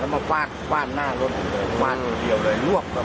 เมื่อเวลาเมื่อเวลา